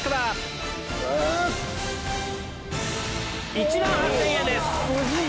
１万８０００円です。